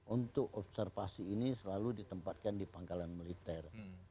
untuk observasi ini selalu ditempatkan di pangkalan militer